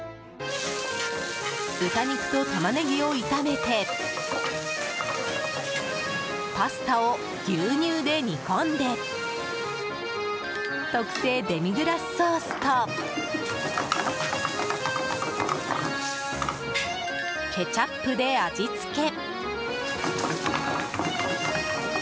豚肉とタマネギを炒めてパスタを牛乳で煮込んで特製デミグラスソースとケチャップで味つけ。